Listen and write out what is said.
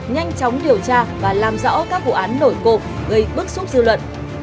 nhanh chóng điều tra và làm rõ các vụ án nổi cộng gây bức xúc dư luận